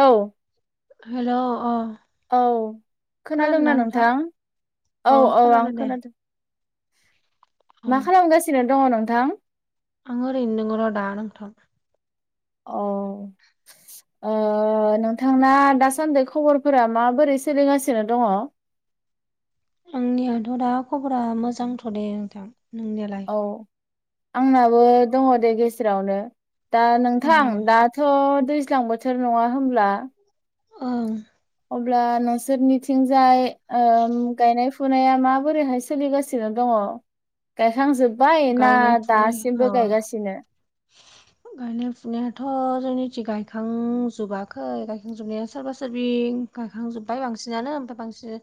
औ। हेलौ अ। औ खोनादोंना नोंथां? औ औ आं खोनादों। अ मा खालामगासिनो दङ नोंथां? आं ओरैनो दङ र' दा नोंथां। औ। ओ नोंथांना दासान्दि खबरफोरा माबोरै सोलिगासिनो दङ? आंनियाथ' दा खबरा मोजांथ' दे नोंथां। नोंनिलाय? औ आंनाबो दङ दे गेजेरावनो। दा अ नोंथां दा थ' दैज्लां बोथोर नङा होमब्ला। ओं। अब्ला नोंसोरनिथिंजाय ओम गायनाय फुनाया माबोरैहाय सोलिगासिनो दङ गायखांजोब्बाय ना गायनाय फुनाय अ दासिमबो गायगासिनो? [inaudible] गायनाय फुनायाथ' जोंनिथिं गायखांजोबाखै गायखांजोबनाया सोरबा सोरबि गायखांजोबबाय बांसिनानो ओमफाय बांसिन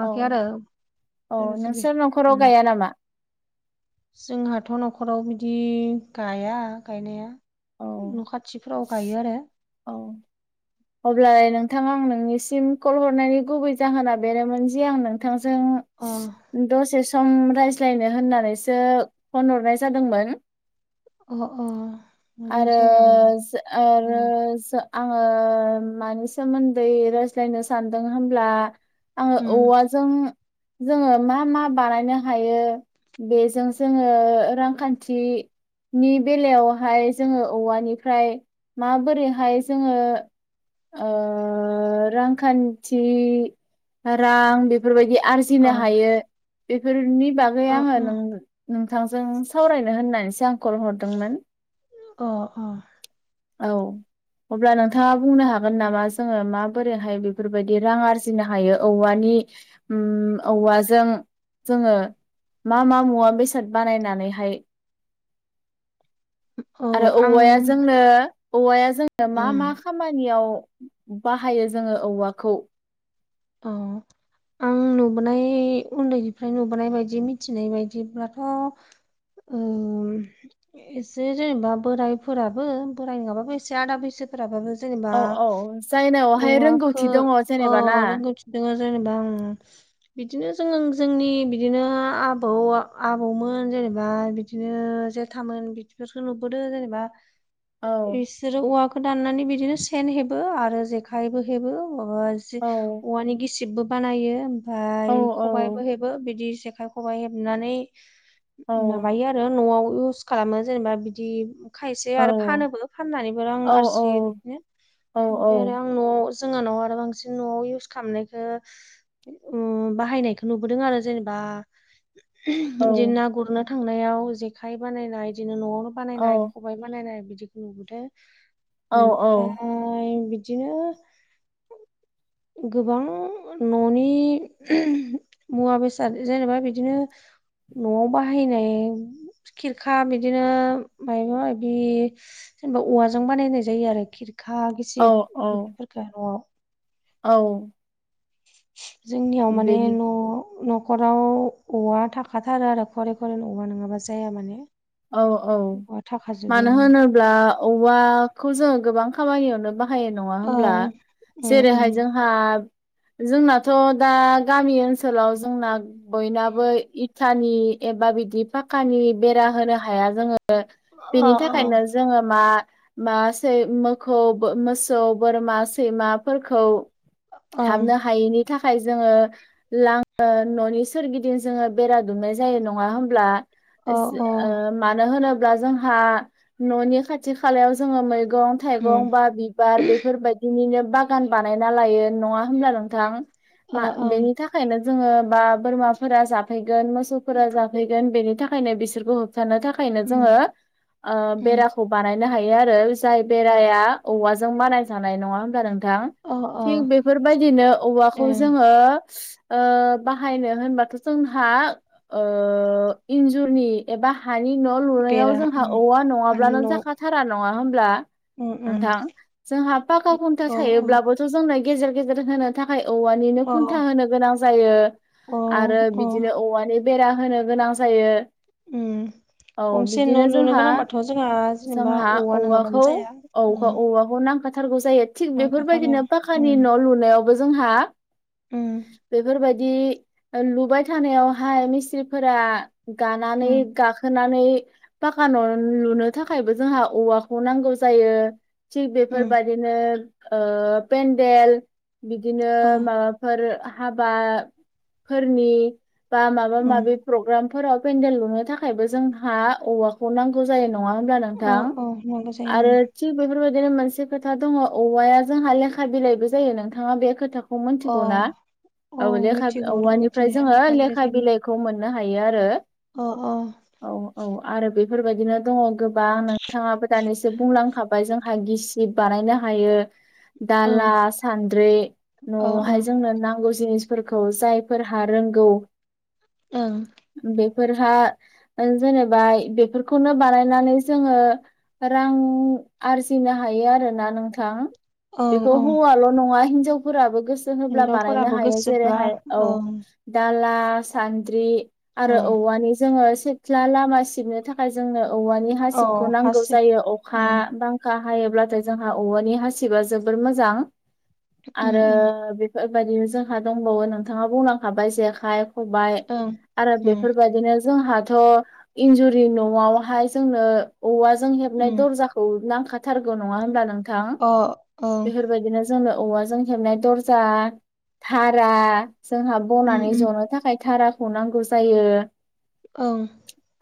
औ आरो औ सोरबा सोरबि नोंसोर न'खराव उम। गाया नामा जोंहाथ' न'खराव बिदि गाया गायनाया। औ न' खा थिफ्राव गायो आरो। औ। अब्लालाय नोंथां आं नोंनिसिम कल हरनायनि गुबै जाहोना बेरोमोन जे आं नों थांजों अ दसे स म रायज्लायनो होननानैसो फन हरनाय जादोंमोन। अ अ। आरो रायज्लाय जागोन दे जो उम आरो जो आङो मानि सोमोन्दै रायज्लायनो सानदों होमब्ला आङो उम औवाजों जोङो मा मा बानायनो हायो बेजों जोङो रांखान्थिनि बेलायावहाय जोङो औवानिफ्राय माबोरैहाय जोङो ओ रांखान्थि रां बेफोरबायदि अ आरजिनो हायो बेफोरनि बा गै अ आङो अ नोंथांजों सावरायनो होननानैसो ‌आं कल हरदोंमोन। अ अ। औ। अब्ला नोंथाङा बुंनो हागोन नामा जोङो माबोरैहाय बेफोरबायदि रां आरजिनो हायो औवानि उम औवाजों जोङो मा मा मुवा बेसाद बानायनानैहाय [inaudible] आरो आं औवाया जोंनो औवाया जोंनो मा उम मा खाम खामानियाव बाहायो जोङो औवाखौ? औ [inaudible] आं नुबोनाय उन्दैनिफ्राय नुबोनाय बायदि मिथिनाय बायदिब्लाथ' ओम एसे जेनेबा बोरायफोराबो बोराइ नोङाबाबो एसे आदा बैसो फोराबाबो जेनेबा औ औ जायनावहाय औवाखो रोंगौथि दङ ओ जेनेबा ना [unintelligible] जेनेबा ओं बिदिनो जों जोंनि बिदिनो आबौ आबौमोन जेनेबा बिद दिनो जेथामोन बिदिफोरखो नुबोदो जेनेबा औ इसोरो औवाखो दाननानै बिदिनो सेन हेबो आरो जेखाइबो हेबो मबा जे औ औवानि गिसिबबो बानायो औ ओमफाय खबाइबो हेबो बिदि जेखाइ खबाइ हेबनानै औ माबायो आरो न'आव इउस खालामो जेनेबा बिदि खायसे औ आरो फानोबो फाननानैबो आं औ आरजियो बिब्दिनो औ ओमफ्राय आरो आं न'आव जोङो न'आव आरो बांसिन न'आव इउस खामनायखो उम बाहायनायखो नुबोदों आरो जेनेबा औ इदि ना गुरनो थांनायाव जेखाइ बानायनाय दिनो न'आवनो बानायनाय ख खबाइ बानायनाय बिदिखौ नुबोदो ओमफ्राय बिदिनो गोबां न'नि मुवा बेसाद जेनेबा बिदिनो न'आव बाहायनाय खिरखा बिदिनो मायबा मायबि जेनेबा औवाजों बानायनाय जायो आरो खिरखा औ गिसिब औ बिदिफोरखो न'आव। औ जोंनियाव माने बेनि न' न'खराव औवा थाखाथारो आरो घरे घरे अवा नङाबा जाया माने। औ औ औवा थाखाजोबो मानो होनोब्ला औवाखौ जोङो गोबां खामानियावनो बाहा हायो नङा होनब्ला ओं ओं ओं जेरैहाय जोंहा जोंनाथ' दा गामि ओनसोलाव जोंना बयनाबो इथानि एबा बिदि पाकानि बेरा होनो हाया जोङो अ बेनि थाखायनो अ जोङो मा मा सै मोखौबो मोसौ बोरमा सैमाफोरखौ ओं हाबनो हायैनि थाखाय जोङो लां ओ न'नि सोरगिदिं जोङो बेरा दुमनाय जायो नङा होमब्ला? अ जो ओ ओं मानो होनोब्ला जोंहा न'नि खाथि खालायाव जोङो मै गं थाइगं बा बिबार बेफोरबायदिनिनो बाग गान बानायना लायो नङा होनब्ला नोंथां मा अ ओं बेनि थाख खायनो जोङो बा बोरमाफोरा जाफैगोन मोसौफोरा जाफैगोन बेनि थाखायनो बिसोरखौ होब थानो थाखायनो उम जोङो ओ उम बेरा खौ बानायनो हायो आरो जाय बेराया औवाजों बानाय जानाय नङा होनब्ला नोंथां? अ अ थिग बेफोरबायदिनो औवाखौ ओं जोङो ओ बाहायनो होनबाथ' जोंहा ओ इन्जुरनि एबा हानि न' लुनायाव बेरा जोंहा उम औवा हानि नङाब्लानो न' उम जाखाथारा नङा होनब्ला उम नोंथां जोंहा पाका खुन्था अ थायोब्लाबोथ' जोंनो गेजेर गेजेर होनो थाखाय औवा निनो अ खुन्था होनो गोनां जायो अ आरो अ बिदिनो औवानि बेरा होनो गोनां जायो। उम औ गंसे न' बिदिनो लुनो जोंहा गोनांबाथ' जोंहा जेनेबा जोंहा औवा नोङाबानो जाया उम। अ नांखाथारगौ जायो थिग नांखाथारो बेफोरबायदिनो पाकानि उम न' लुनायावबो जोंहा उम बेफोरबादि लुबाय थानायावहाय मिस्रिफोरा गानानै उम गाखोनानै पाका न' लुनो थाखायबो जोंहा औवाखौ नांगौ जायो थिक उम बेफोरबायदिनो ओ पेन्देल बिदिनो औ माबा फोर हाबाफोरनि बा माबा उम माबि प्रग्रामफोराव पेन्देल लुनो थाखायबो जोंहा औवाखौ नांगौ जायो नङा होनब्ला नों अ थां औ नांगौ जायो आरो उम थिग बेफोरबायदिनो मोनसे खोथा दङ औवाया जोंहा लेखा बिलाइबो जायो नोंथाङा बे खोथाखौ खौ अ मोनथिगौ ना औ लेखा मिथिगौ र' औवानिफ्राय मिथिनाया जोङो बिलाइ लेखा जायो बिलाइखौ खौ मोननो हायो आरो। अ अ औ औ आरो बेफोरबायदिनो दङ गोबां नोंथाङाबो दानिसो बुंलांफाबाय जोंहा गिसि बानायनो हायो ओं दाला सान्द्रि अ अ न'आवहाय जोंनो नांगौ जिनिस फोरखौ जायफोरहा रोंगौ ओं बेफोरहा जेनेबा बेफोरखौनो बानायनानै जोङो रां आरजिनो हायो आरोना नोंथां ओं बेखौ ओं हौवाल' नङा हिनजावफोराबो गोसो जों होब्ला बानायनो हिनजावफोराबो हायो। गोसोब्ला जेरैहाय औ ओं दाला सान्द्रि आरो उम औवानि जोङो सिथ्ला लामा सिबनो थाखाय जोंनो औवानि औ हासिबखौ नांगौ हासिब जायो अखा उम बां अखा हायोब्लाथाय जोंहा औवानि हासिबा जोबोर मोजां ओं आरो उम बे बेबायदिनो जोंहा दंबावो नोंथाङा बुंलांखाबाय जेखाय, हबाय उम आरो बेफोरबायदिनो जोंहाथ' इन्जुरि न' न'आवहाय जोंनो औवाजों हेबनाय दरजाखौ नांखा थारगौ नङा होनब्ला नोंथां अ ओं बेफोरबायदिनो जोंनो औवाजों खेबनाय दरजा थारा जोंहा उम बनानै उम जनो थाखाय धाराखौ नांगौ जायो। औ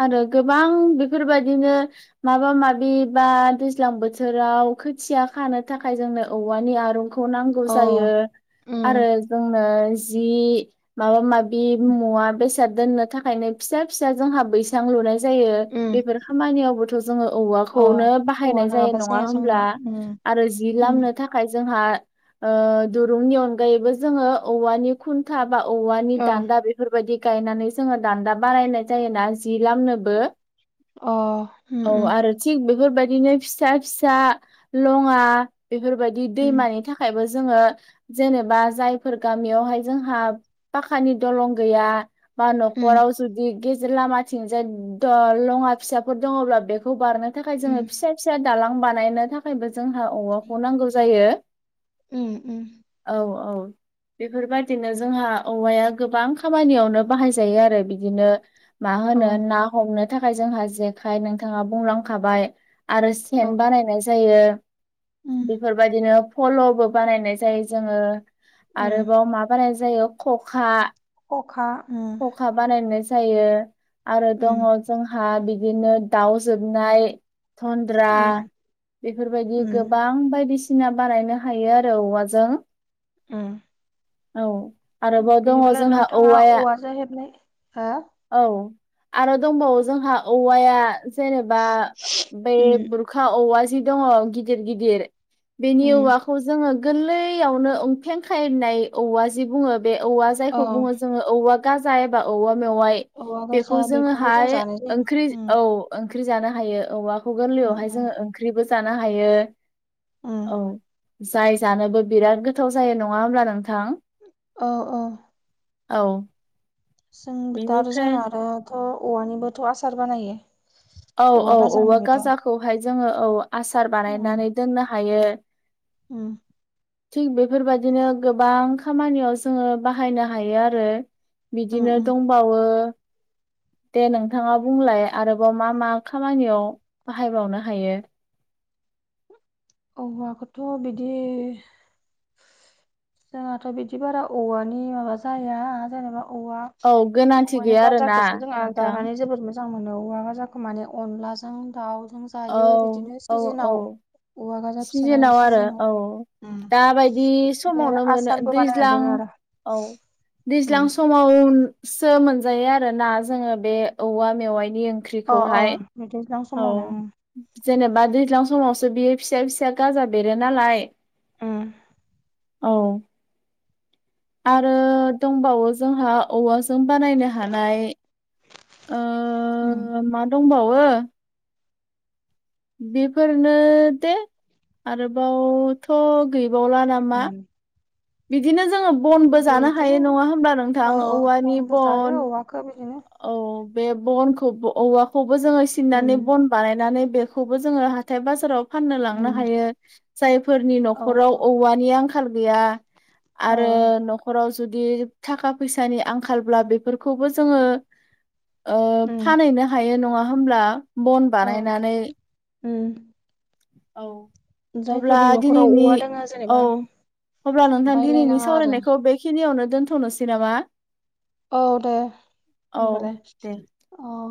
आरो गोबां बेफोरबायदिनो माबा माबि बा दैज्लां बोथोराव खोथिया खानो थाखाय जोंनो औवानि आरं खौ नांगौ अ जायो उम आरो जोंनो जि माबा माबि मुवा बेसाद दोननो थाखायनो फिसा फिसा जोंहा बैसां लुनाय जायो उम बेफोर खामानियावबोथ' जोङो अ औवाखौनो औवा बाहायनाय जायो नङाबा नङा जाया जोंना होमब्ला उम आरो जि उम लामनो थाखाय थाखाय जोंहा दुरुंनि अनगायैबो जोङो औवानि खुन्था बा औवानि अ दान्दा बे बेफोरबायदि गायनानै जोङो दान्दा बारायनाय जायोना जि लामनोबो अ औ उम उम आरो थिग बेफोरबायदिनो फिसा फिसा लङा बेफोरबायदि उम दैमानि थाखाय थाखायबो जोङो जेनेबा जायफोर गामियावहाय जोंहा पाखानि दलं गैया बा न'खराव जुदि गेजेर लामाथिंजाय द'लङा फिसाफोर दङब्ला बेखौ बारनो थाखाय जोङो उम फिसा फिसा दालां बानायनो थाख थाखायबो जोंहा औवाखौ नांगौ जायो उम औ औ बेफोरबायाददिनो जोंहा औवाया गोबां खामानियावनो बाहाय जायो आरो बिदिनो मा होनो ना हमनो थाखाय जोंहा जेखाय नोंथाङा बुंलांखाबाय आरो सेन बानायनाय जायो बेफोरबायदिनो फल'बो बानायनाय जायो जोङो आरोबाव मा बानाय जायो खखा खखा हा बानायनाय जायो आरो दङ उम जोंहा बिदिनो दाउ जोबनाय थन्द्रा बेफोरबायदि उम गोबां बायदिस सिना बानायनो हायो आरो औवाजों। अ औ आरोबाव दङ बिदिब्लालाय जोंहा नोंथाङा औवाया औवाजों हेबनाय हो औ आरो दंबावो जोंहा औवाया जेनेबा बेै उम अखा औवा जि दङ गिदिर गिदिर बेनि उम औवाखौ जोङो गोरलैयावनो उंफें खायनाय औवा जे बुङो बे औवा औ जायखौ बुङो जोङो औवा गाजा एबा औवा मेवाइ। औवा गाज खौ जोङोहाय ओंख्रि औ ओंख्रि जानो हायो औवाखौ उम गोरलैयावहाय उम जोंङो ओंख्रिबो जानो हायो। उम औ जाय जानोबो बिराद गोथाव जायो नङा होमब्ला नोंथां? औ औ औ जोंबोथार आरो बेनिफ्राय जोंना आरोथ' औवानिबोथ' आसार बानायो। औ औ औवा गाजाखौहाय जोङो औ आसार उम बानायनानै दोननो हायो। उम। थिग बेफोरबायाददिनो गोबां खामानियाव जोङो बाहायनो हायो आरो उम बिदिनो उम दंबावो। दे नोंथाङा बुंलाय आरोबाव मा मा खामानियाव बाहायबावनो हायो? औवाखौथ' बिदि। जोंहाथ' बिदि बारा औवानि माबा जाया जेनेबा औवा औ गोनांथि अवानि गैया आरोना गाजाखौसो जोंहा नोंथां जानानै जोबोर मोनज मोजां मोनो औवा गाजाखो माने अनलाजों दाउजों औ जायो बिदिनो औ औ सिजेनाव सिजोनाव आरो औ उम दाबायदि ओमफ्राय आरो समावनो मोनो आसारबो बानायना दैज्लां दोनो आरो औ दैज्लां उम सम समावसो मोनजायो आरो ना जोङो बे औवा मेवाइनि ओं अ अ बिदि औ जेनेबा दैज्लां समावसो बियो फिसा फिसा गाजा बेरो नालाय उम औ आरो दंबावो जोंहा औवाजों बानायनो हानाय उम ओ मा दंबावो बेफोरनो दे आरोबावथ' गैबावला नामा? उम बिदिनो जोङो बनबो जानो हायो बिदिनो नङा होमब्ला नोंथां औवानि बन खा बिदिनो औ बे बनखौबो औवाखौबो जोङो सिननानै उम बन बानायनानै बेखौबो जोङो हाथाय बाजाराव फाननो लांनो उम हायो। जायफोरनि न'खराव उम औवानि आंखाल गैया आरो ओं नख खराव जुदि थाखा फैसानि आंखालब्ला बेफोरखौबो जोङो। फानहैनो हायो नङा होनब्ला बन बानायनानै? उम औ अब्ला जायफोरनि न'खराव दिनैनि औवा दोङो औ जेनेबा अब्ला नोंथां दिनैनि बायलायनाङा आरो सावरायनायखौ बे बेखिनियावनो दोनथ'नोसै नामा? औ दे औ होनबालाय दे औ।